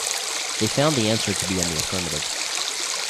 They found the answer to be in the affirmative.